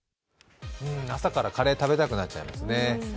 朝からカレー食べたくなっちゃいますね。